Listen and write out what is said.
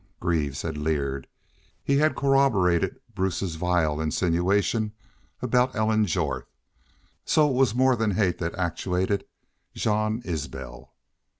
Greaves had leered he had corroborated Bruce's vile insinuation about Ellen Jorth. So it was more than hate that actuated Jean Isbel.